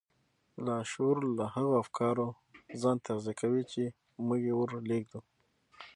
لاشعور له هغو افکارو ځان تغذيه کوي چې موږ يې ور لېږدوو.